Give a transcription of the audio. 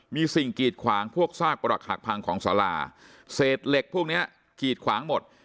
มีสิ่งกีดขวางพวกซากประหลักหักพังของสาราเศษเหล็กพวกนี้กีดขวางหมด